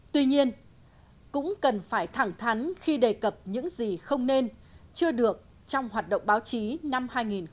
tuy nhiên cũng cần phải thẳng thắn khi đề cập những gì không nên chưa được trong hoạt động báo chí năm hai nghìn một mươi tám